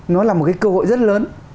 nó là một cái cơ hội rất lớn